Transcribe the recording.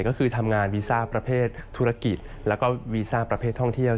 ก็คือทำงานวีซ่าประเภทธุรกิจแล้วก็วีซ่าประเภทท่องเที่ยว